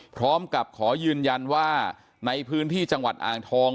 พร้อมกับขอยืนยันว่าในพื้นที่จังหวัดอ่างทอง